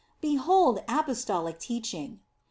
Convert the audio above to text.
} Behold apostolic teaching!